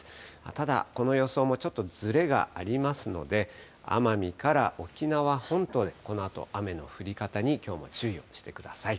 ただ、この予想もちょっとずれがありますので、奄美から沖縄本島で、このあと雨の降り方に、きょうも注意をしてください。